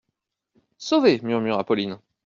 Sauvée ! murmura Pauline.